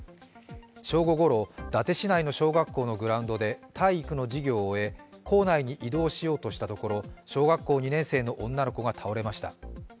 正午ごろ、伊達市内の小学校のグラウンドで体育の授業を終え、校内に移動しようとしたところ小学校２年生の女の子が倒れました。